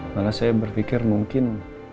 malah saya berpikir mungkin